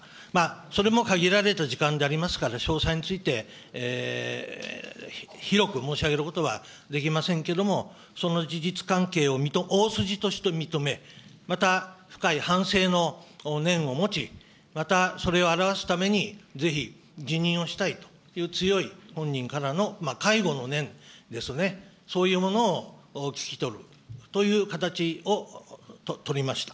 それも限られた時間でありますから、詳細について、広く申し上げることはできませんけれども、その事実関係を大筋として認め、また深い反省の念を持ち、またそれを表すためにぜひ辞任をしたいという、強い本人からの悔悟の念ですね、そういうものを聞き取るという形を取りました。